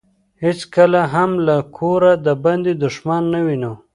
هیڅکله هم له کوره دباندې دښمن نه وينو.